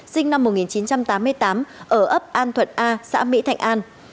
sinh năm một nghìn chín trăm tám mươi tám ở ấp an thuận a xã mỹ thạnh an